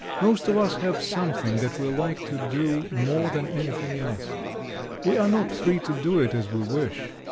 Most of us have something that we like to do more than anything else. We are not free to do it as we wish.